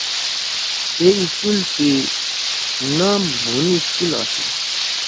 أ اسکول سی ام مُھون اسکول آشُو۔